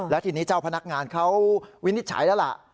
แล้วทีนี้เจ้าพนักงานเขาวินิจฉัยแล้วล่ะ